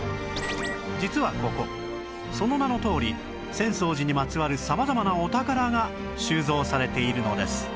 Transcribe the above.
実はここその名のとおり浅草寺にまつわる様々なお宝が収蔵されているのです